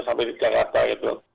sampai di jakarta gitu